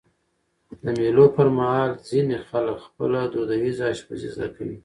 د مېلو پر مهال ځيني خلک خپله دودیزه اشپزي زده کوي.